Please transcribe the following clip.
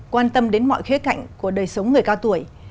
quan tâm đến mọi khía cạnh của đời sống người cao tuổi